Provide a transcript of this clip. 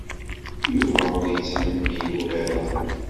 Yuba ur yettḥemmil urar-a.